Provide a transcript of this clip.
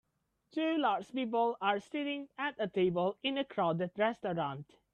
Two large people are sitting at a table in a crowded restaurant